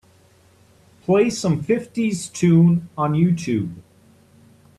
play some fifties tune on Youtube